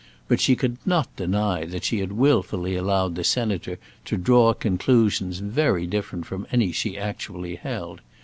But she could not deny that she had wilfully allowed the Senator to draw conclusions very different from any she actually held.